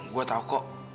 gue tau kok